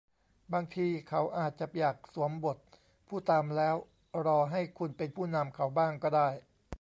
บางทีเขาอาจจะอยากสวมบทผู้ตามแล้วรอให้คุณเป็นผู้นำเขาบ้างก็ได้